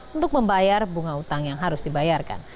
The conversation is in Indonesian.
untuk membayar bunga utang yang harus dibayarkan